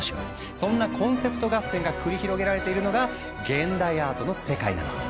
そんな「コンセプト合戦」が繰り広げられているのが現代アートの世界なの。